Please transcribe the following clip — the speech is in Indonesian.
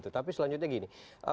tapi selanjutnya gini